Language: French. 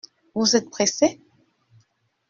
Vous êtes pressé ?